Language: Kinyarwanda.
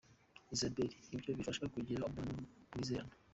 Isabelle : Ibyo bifasha kugira umubano mwizerana.